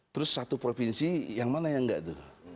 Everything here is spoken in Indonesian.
terus satu provinsi yang mana yang enggak tuh